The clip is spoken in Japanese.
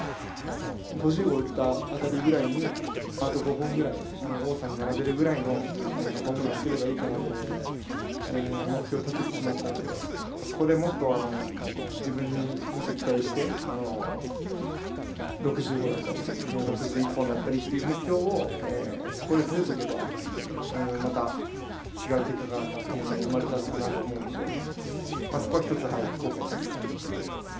５０号を打ったあたりぐらいに、あと５本ぐらい、王さんに並べるぐらいのホームランを打てればいいかなという目標を立ててしまったので、そこでもっと、自分にもっと期待して、６０号だったり、６１本だったりという目標を、そこで立てておけば、また違う結果が生まれたのかなと思うので、そこは一つ、後悔ですね。